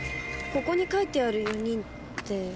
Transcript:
ここに書いてある４人って。